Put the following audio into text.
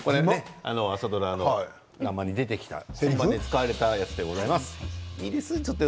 朝ドラの「らんまん」に出てきた使われたやつでございます。